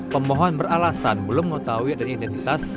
pemohon beralasan belum mengetahui adanya identitas